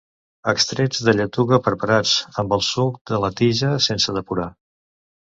Extrets de lletuga preparats amb el suc de la tija, sense depurar.